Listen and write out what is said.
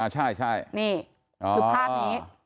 ใช่นี่คือภาพนี้